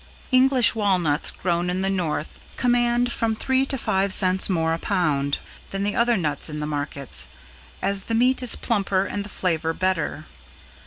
English Walnuts grown in the North command from three to five cents more a pound than the other nuts in the markets, as the meat is plumper and the flavor better.